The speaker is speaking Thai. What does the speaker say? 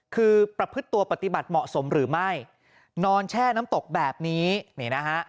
คือประพฤติตัวปฏิบัติเหมาะสมหรือไม่นอนแช่น้ำตกแบบนี้นี่นะฮะ